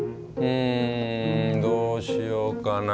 うんどうしようかな。